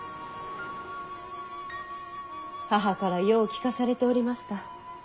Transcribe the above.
母からよう聞かされておりました。